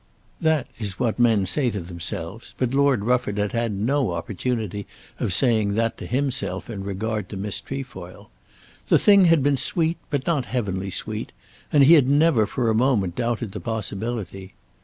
That is what men say to themselves, but Lord Rufford had had no opportunity of saying that to himself in regard to Miss Trefoil. The thing had been sweet, but not heavenly sweet; and he had never for a moment doubted the possibility.